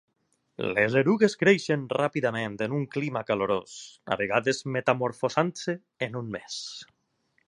Les erugues creixen ràpidament en un clima calorós, a vegades metamorfosant-se en un mes.